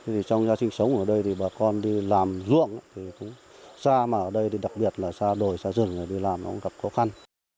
thì trong gia sinh sống ở đây thì bà con đi làm ruộng thì cũng xa mà ở đây thì đặc biệt là xa đồi xa rừng đi làm nó cũng gặp khó khăn